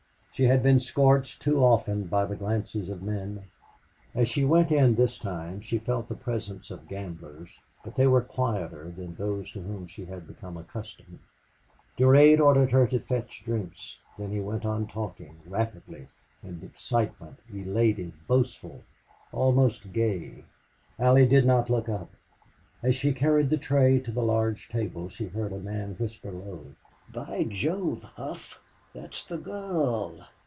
She had been scorched too often by the glances of men. As she went in this time she felt the presence of gamblers, but they were quieter than those to whom she had become accustomed. Durade ordered her to fetch drinks, then he went on talking, rapidly, in excitement, elated, boastful, almost gay. Allie did not look up. As she carried the tray to the large table she heard a man whisper low: "By jove!... Hough, that's the girl!"